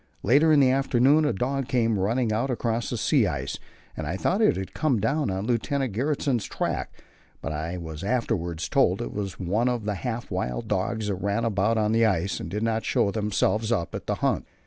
Later in the afternoon a dog came running out across the sea ice, and I thought it had come down on Lieutenant Gjertsen's track; but I was afterwards told it was one of the half wild dogs that ran about on the ice and did not show themselves up at the hut.